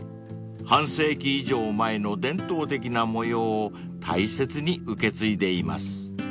［半世紀以上前の伝統的な模様を大切に受け継いでいます］